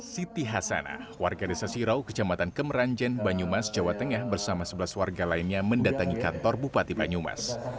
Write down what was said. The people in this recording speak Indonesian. siti hasanah warga desa sirau kecamatan kemeranjen banyumas jawa tengah bersama sebelas warga lainnya mendatangi kantor bupati banyumas